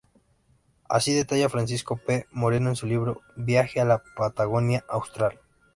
Así detalla Francisco P. Moreno en su libro "Viaje a la Patagonia Austral.